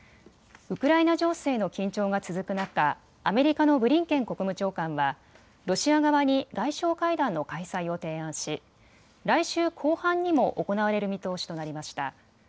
ウクライナ情勢の緊張が続く中、アメリカのブリンケン国務長官はロシア側に外相会談の開催を提案し来週後半にも行われる見通しとなりました。